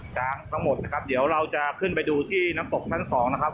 ทั้งหมดนะครับเดี๋ยวเราจะขึ้นไปดูที่น้ำตกชั้นสองนะครับ